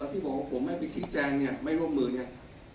ที่บอกว่าผมไม่ไปชี้แจงเนี่ยไม่ร่วมมือเนี่ย